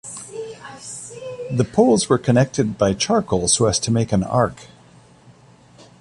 The poles were connected by charcoal so as to make an arc.